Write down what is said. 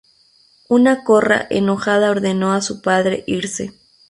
Una Korra enojada ordenó a su padre irse.